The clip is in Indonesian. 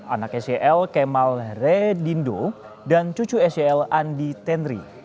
anak sel kemal redindo dan cucu sel andi tenri